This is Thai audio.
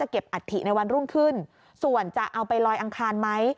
อัฐิในวันรุ่งขึ้นส่วนจะเอาไปลอยอังคารไหม